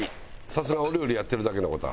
さすがお料理やってるだけの事はある。